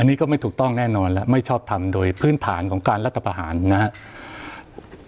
อันนี้ก็ไม่ถูกต้องแน่นอนแล้วไม่ชอบทำโดยพื้นฐานของการรัฐประหารนะครับ